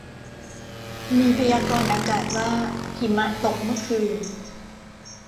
มีพยากรณ์อากาศว่าหิมะตกเมื่อคืน